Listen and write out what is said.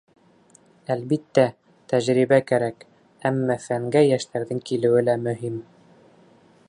— Әлбиттә, тәжрибә кәрәк, әммә фәнгә йәштәрҙең килеүе лә мөһим.